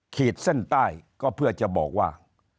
ขีดเส้นใต้ก็เพื่อจะบอกว่า